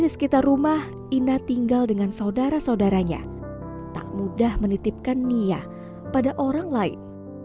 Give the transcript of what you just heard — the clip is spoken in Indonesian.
sebagai seorang saudaranya tak mudah menitipkan nia pada orang lain